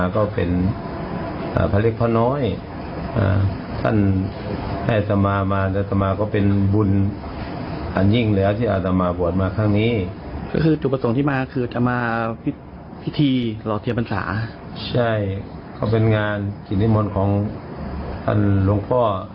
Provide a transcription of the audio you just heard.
เขาเป็นงานกิจนิมนต์ของท่านหลวงพ่อ